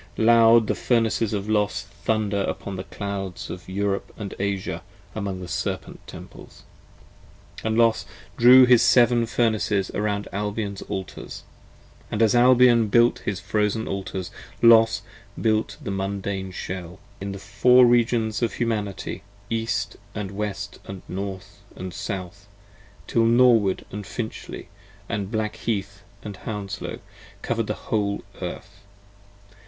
Loud the Furnaces of Los thunder upon The clouds of Europe & Asia, among the Serpent Temples. And Los drew his Seven Furnaces around Albion's Altars: And as Albion built his frozen Altars, Los built the Mundane Shell, In the Four Regions of Humanity, East & West & North & South, 80 Till Norwood & Finchley & Blackheath & Hounslow, cover' d the whole Earth.